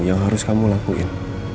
yang harus kamu lakuin